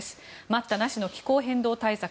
待ったなしの気候変動対策。